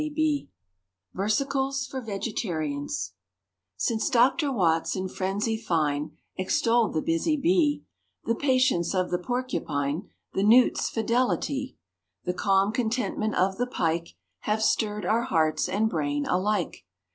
= VERSICLES FOR VEGETARIANS |SINCE Dr. Watts in frenzy fine `Extolled the "busy Bee," The patience of the Porcupine, `The Newt's fidelity, The calm contentment of the Pike, Have stirred our hearts and brain alike.